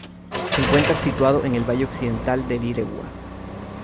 Se encuentra situado en el valle occidental del Iregua.